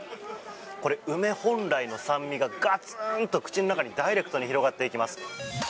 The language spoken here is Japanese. これ梅本来の酸味がガツンと口の中にダイレクトに広がっていきます。